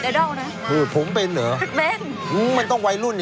ใครคือน้องใบเตย